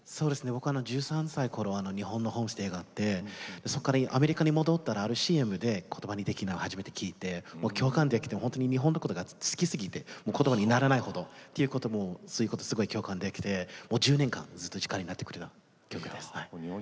僕は１３歳のころ日本のホームステイがあってそこからアメリカに戻ったらあるＣＭで「言葉にできない」を始めて聴いて共感できて本当に日本のことが好きすぎて言葉にならない程すごく共感できて１０年間ずっと力になってくれた曲です。